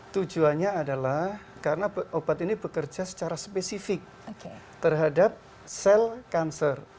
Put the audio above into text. tujuannya adalah karena obat ini bekerja secara spesifik terhadap sel kanser